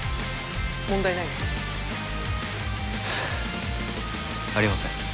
問題ないね？はあありません。